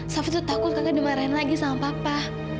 sampai tuh takut kakak dimarahin lagi sama papa